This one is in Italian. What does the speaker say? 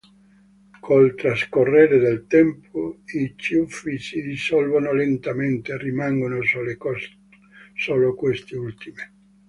Col trascorrere del tempo i ciuffi si dissolvono lentamente e rimangono solo queste ultime.